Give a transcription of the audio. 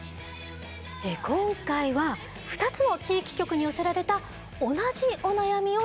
今回は２つの地域局に寄せられた同じお悩みを取り上げていきます。